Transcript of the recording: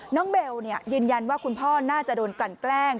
เบลยืนยันว่าคุณพ่อน่าจะโดนกันแกล้ง